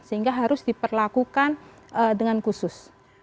sehingga harus diperlakukan dengan khusus